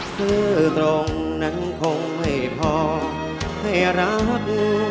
ซื้อตรงนั้นคงไม่พอให้รัก